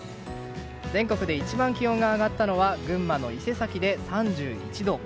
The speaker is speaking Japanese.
全国で一番気温が上がったのは群馬の伊勢崎で３１度。